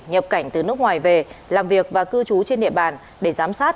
nhập cảnh từ nước ngoài về làm việc và cư trú trên địa bàn để giám sát